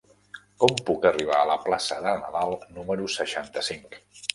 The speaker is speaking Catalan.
Com puc arribar a la plaça de Nadal número seixanta-cinc?